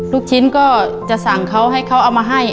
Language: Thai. ลูกชิ้นก็จะสั่งเขาให้เขาเอามาให้